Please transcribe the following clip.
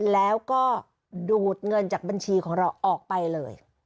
แล้วก็ดูดเงินจากบัญชีของเราออกไปเลย